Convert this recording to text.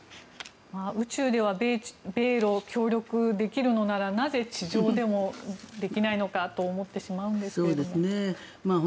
宇宙では米ロ協力できるのならなぜ、地上でもできないのかと思ってしまうんですけども。